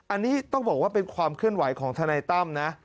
อันนี้ต้องบอกว่าเป็นความเคลื่อนไหวของทนายตั้มนะ